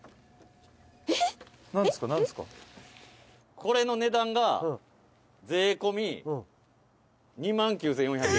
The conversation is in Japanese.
「これの値段が税込み２万９４００円」